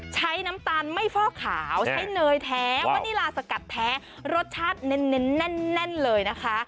น้ำตาลไม่ฟอกขาวใช้เนยแท้ว่านี่ลาสกัดแท้รสชาติเน้นแน่นเลยนะคะ